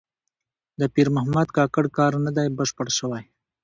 د پیر محمد کاکړ کار نه دی بشپړ شوی.